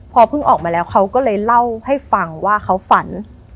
พอเพิ่งออกมาแล้วเขาก็เลยเล่าให้ฟังว่าเขาฝัน